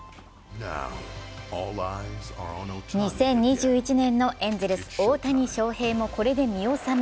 ２０２１年のエンゼルス・大谷翔平もこれで見納め。